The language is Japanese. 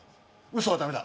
嘘は駄目だ！